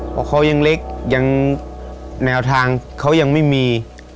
เพราะเขายังเล็กยังแนวทางเขายังไม่มี